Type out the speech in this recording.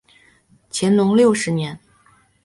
乾隆六十年。